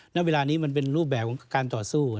ณเวลานี้มันเป็นรูปแบบของการต่อสู้